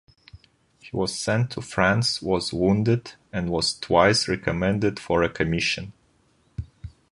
He was sent to France, was wounded, and was twice recommended for a commission.